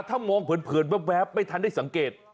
ถ้ามองเผินแว๊บไม่ทันได้สังเกต